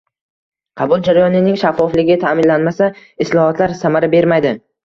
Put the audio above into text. Qabul jarayonining shaffofligi taʼminlanmasa, islohotlar samara bermaydi.